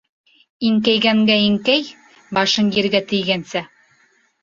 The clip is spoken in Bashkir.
Иңкәйгәнгә иңкәй, башың ергә тейгәнсә.